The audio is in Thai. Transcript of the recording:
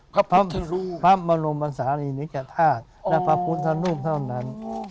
พระบรมศาลีนิกธาตุและพระพุทธรูปเท่านั้น